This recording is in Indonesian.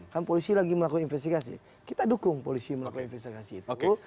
kan polisi lagi melakukan investigasi kita dukung polisi melakukan investigasi itu